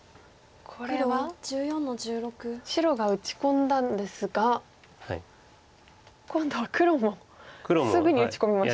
これは白が打ち込んだんですが今度は黒もすぐに打ち込みました。